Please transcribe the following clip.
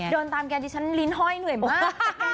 เดินตามแกดิฉันลิ้นห้อยเหนื่อยมาก